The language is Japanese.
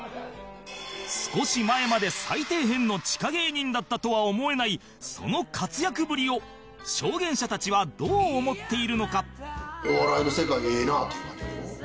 少し前まで最底辺の地下芸人だったとは思えないその活躍ぶりを証言者たちはどう思っているのか？